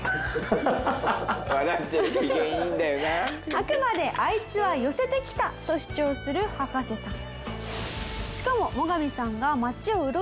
あくまであいつは寄せてきたと主張する葉加瀬さん。